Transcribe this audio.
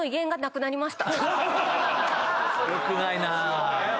良くないな。